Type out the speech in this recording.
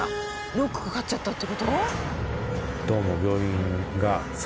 ロックかかっちゃったってこと？